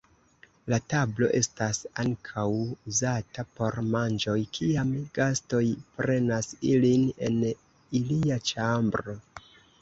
La tablo estas ankaŭ uzata por manĝoj kiam gastoj prenas ilin en ilia ĉambro.